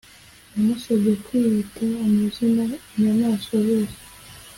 yamusabye kwita amazina inyamaswa zose.